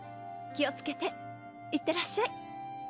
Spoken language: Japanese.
気をつけていってらっしゃい。